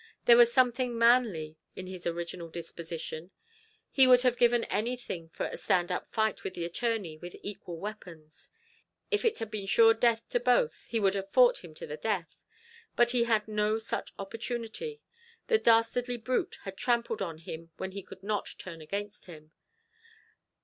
There was something manly in his original disposition; he would have given anything for a stand up fight with the attorney with equal weapons; if it had been sure death to both, he would have fought him to the death; but he had no such opportunity; the dastardly brute had trampled on him when he could not turn against him.